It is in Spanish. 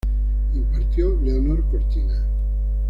Impartió Leonor Cortina.